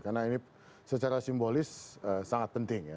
karena ini secara simbolis sangat penting ya